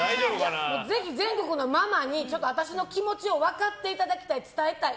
ぜひ全国のママに私の気持ちを分かっていただきたい伝えたい！